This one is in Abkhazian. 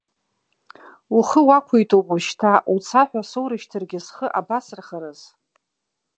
Ухы уақәиҭуп, уажәшьҭа уца ҳәа соурышьҭыргьы, схы абасырхарыз?!